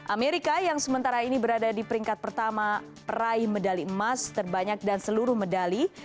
amerika yang sementara ini berada di peringkat pertama peraih medali emas terbanyak dan seluruh medali